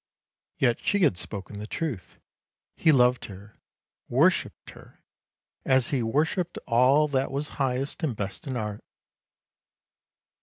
Yet she had spoken the truth; he loved her, worshipped her, as he worshipped all that was highest and best in Art.